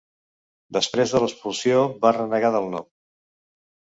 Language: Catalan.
Després de l'expulsió, va renegar del nom.